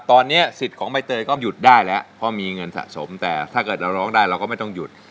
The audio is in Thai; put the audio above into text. ตอนนี้สิทธิ์ของใบเตยก็หยุดได้แล้วเพราะมีเงินสะสมแต่ถ้าเกิดเราร้องได้เราก็ไม่ต้องหยุด